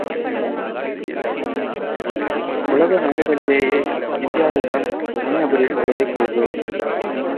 உலக நாடுகளிலேயே இந்தியாவில் தான் தனி நபரின் வருவாய் குறைவு.